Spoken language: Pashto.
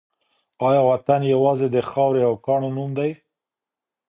آیا وطن یوازې د خاورې او کاڼو نوم دی؟